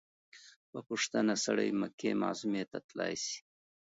په پوښتنه سړى مکې معظمې ته تلاى سي.